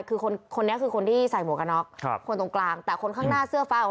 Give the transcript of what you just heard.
คือคนคนนี้คือคนที่ใส่หมวกกันน็อกครับคนตรงกลางแต่คนข้างหน้าเสื้อฟ้า